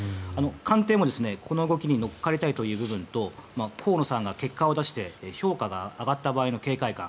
官邸も、この動きに乗っかりたいという部分と河野さんが結果を出して評価が上がった場合の警戒感